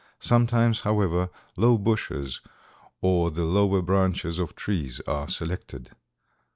Sometimes, however, low bushes or the lower branches of trees are selected.